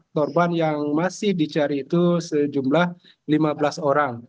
korban yang masih dicari itu sejumlah lima belas orang